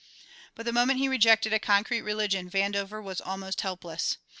But the moment he rejected a concrete religion Vandover was almost helpless.